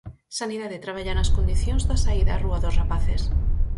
Sanidade traballa nas condicións da saída á rúa dos rapaces.